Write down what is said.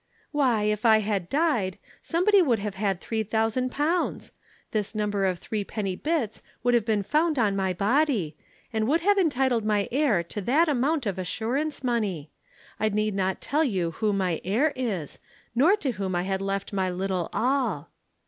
"'Why, if I had died, somebody would have had three thousand pounds. This number of Threepenny Bits would have been found on my body, and would have entitled my heir to that amount of assurance money. I need not tell you who my heir is, nor to whom I had left my little all.'